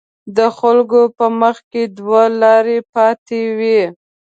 د خلکو په مخکې دوه لارې پرتې وي.